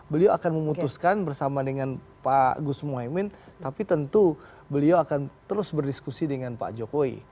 beliau akan memutuskan bersama dengan pak gus muhaymin tapi tentu beliau akan terus berdiskusi dengan pak jokowi